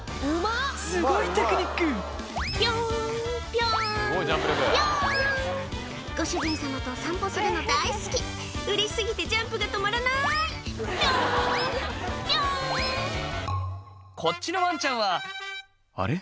すごいテクニックピョンピョンピョンご主人様とお散歩するの大好きうれし過ぎてジャンプが止まらないピョンピョンこっちのワンちゃんはあれ？